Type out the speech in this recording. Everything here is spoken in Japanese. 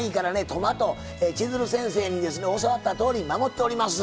トマト千鶴先生にですね教わったとおり守っております。